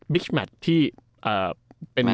บิ๊กแมทที่เป็น